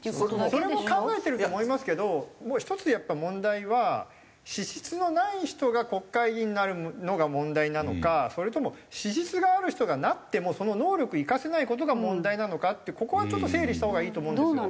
それも考えてると思いますけど１つやっぱ問題は資質のない人が国会議員になるのが問題なのかそれとも資質がある人がなってもその能力を生かせない事が問題なのかってここはちょっと整理したほうがいいと思うんですよ。